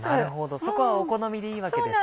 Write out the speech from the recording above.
そこはお好みでいいわけですね。